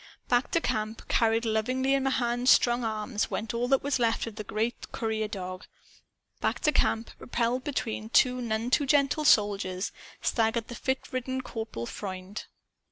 Back to camp, carried lovingly in Mahan's strong arms, went all that was left of the great courier dog. Back to camp, propelled between two none too gentle soldiers, staggered the fit ridden Corporal Freund.